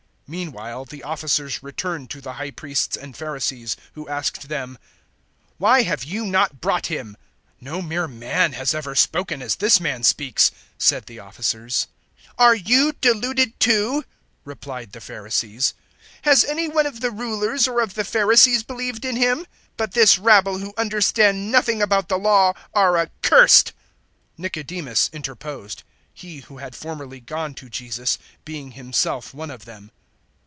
007:045 Meanwhile the officers returned to the High Priests and Pharisees, who asked them, "Why have you not brought him?" 007:046 "No mere man has ever spoken as this man speaks," said the officers. 007:047 "Are *you* deluded too?" replied the Pharisees; 007:048 "has any one of the Rulers or of the Pharisees believed in him? 007:049 But this rabble who understand nothing about the Law are accursed!" 007:050 Nicodemus interposed he who had formerly gone to Jesus, being himself one of them.